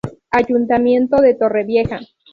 Ayuntamiento de Torrevieja.